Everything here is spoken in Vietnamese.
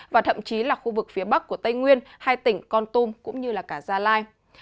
và thậm chí là khu vực phía bắc của tây nguyên hai tỉnh con tum cũng như cả gia lai